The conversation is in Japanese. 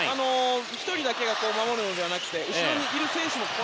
１人だけが守るのではなくて後ろにいる選手も。